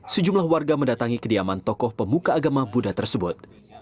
sejumlah warga mendatangi kediaman tokoh pemuka agama buddha tersebut